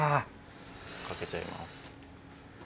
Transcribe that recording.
かけちゃいます。